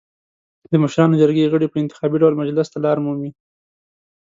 د مشرانو جرګې غړي په انتخابي ډول مجلس ته لار مومي.